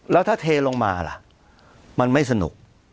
แล้วถ้าเทลงมาล่ะมันไม่สนุก